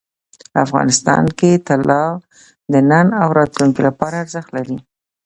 افغانستان کې طلا د نن او راتلونکي لپاره ارزښت لري.